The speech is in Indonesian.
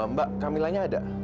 mbak kamilahnya ada